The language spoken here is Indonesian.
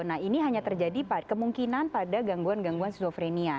nah ini hanya terjadi kemungkinan pada gangguan gangguan skizofrenia